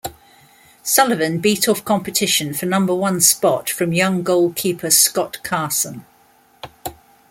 Sullivan beat off competition for number one spot from young goalkeeper Scott Carson.